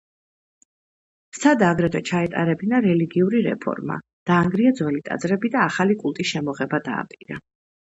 სცადა აგრეთვე ჩაეტარებინა რელიგიური რეფორმა, დაანგრია ძველი ტაძრები და ახალი კულტის შემოღება დააპირა.